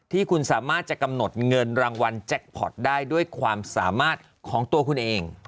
ที่คุณสามารถจะกำหนดเงินรางวัลแจ็คพอร์ตได้ด้วยความสามารถของตัวคุณเอง